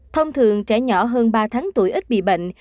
thông thường trẻ nhỏ hơn ba tháng tuổi ít bị bệnh